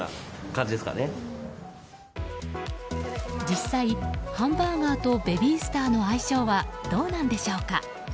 実際、ハンバーガーとベビースターの相性はどうなんでしょうか？